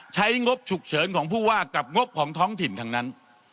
งบฉุกเฉินของผู้ว่ากับงบของท้องถิ่นทั้งนั้น